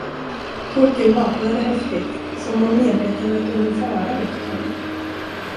Torkel vaknade häftigt, som om medvetandet om en fara väckt honom.